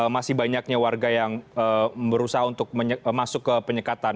masih banyaknya warga yang berusaha untuk masuk ke penyekatan